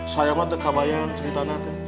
saya mah cekabayan ceritanya teh